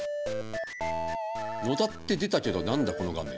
「野田」って出たけど何だこの画面。